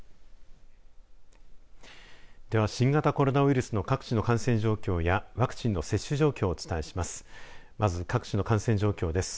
では、新型コロナウイルスの各地の感染状況やワクチンの接種状況を、お伝えします。